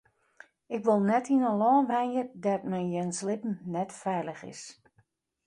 Ik wol net yn in lân wenje dêr't men jins libben net feilich is.